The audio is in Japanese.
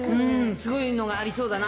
そういうのがありそうだな。